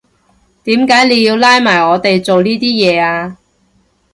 點解你要拉埋我哋做依啲嘢呀？